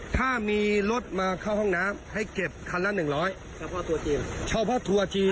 ถ้ามีรถมาเข้าห้องน้ำให้เก็บคันละหนึ่งร้อยเฉพาะตัวจริงเฉพาะทัวร์จีน